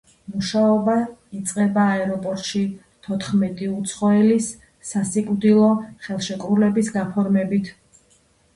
მუშაობა იწყება აეროპორტში თოთხმეტი უცხოელის სასიკვდილო ხელშეკრულების გაფორმებით.